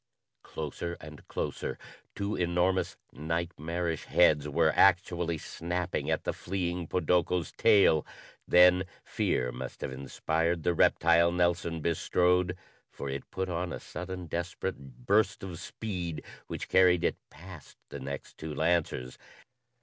Closer and closer! Two enormous nightmarish heads were actually snapping at the fleeing podoko's tail. Then fear must have inspired the reptile Nelson bestrode, for it put on a sudden desperate burst of speed which carried it past the next two lancers.